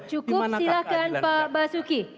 cukup silahkan pak basuki